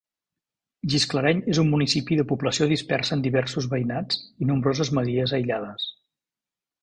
Gisclareny és un municipi de població dispersa en diversos veïnats i nombroses masies aïllades.